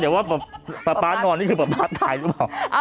เดี๋ยวว่าพ่อนอนนี่คือพ่อตายหรือเปล่า